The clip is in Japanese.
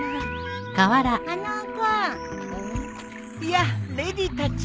やあレディたち。